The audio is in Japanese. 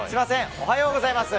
おはようございます。